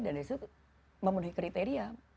dan di situ memenuhi kriteria